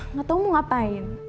nggak tau mau ngapain